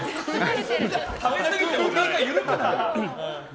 食べすぎておなか緩くなるよ。